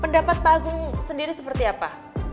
pendapat pak agung sendiri seperti apa